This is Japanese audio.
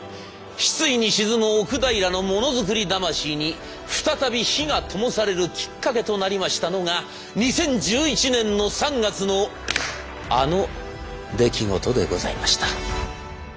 失意に沈む奥平の「ものづくり魂」に再び火がともされるきっかけとなりましたのが２０１１年の３月のあの出来事でございました。